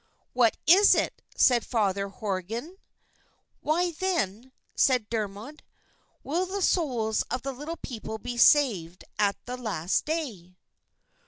"What is it?" said Father Horrigan. "Why, then," said Dermod, "will the souls of the Little People be saved at the Last Day?"